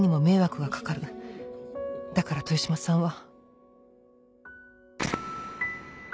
だから豊島さんは。